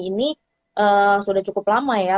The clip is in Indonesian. ini sudah cukup lama ya